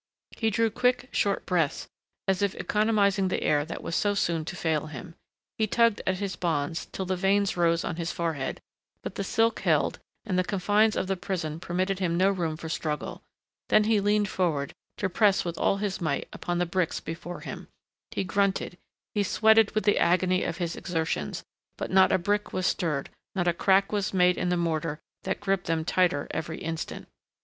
He drew quick, short breaths as if economizing the air that was so soon to fail him; he tugged at his bonds till the veins rose on his forehead, but the silk held and the confines of the prison permitted him no room for struggle; then he leaned forward, to press with all his might upon the bricks before him; he grunted, he sweated with the agony of his exertions, but not a brick was stirred, not a crack was made in the mortar that gripped them tighter every instant.